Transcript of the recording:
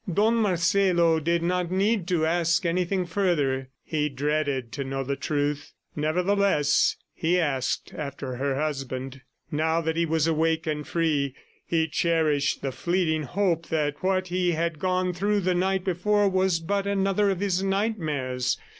Don Marcelo did not need to ask anything further; he dreaded to know the truth. Nevertheless, he asked after her husband. Now that he was awake and free, he cherished the fleeting hope that what he had gone through the night before was but another of his nightmares.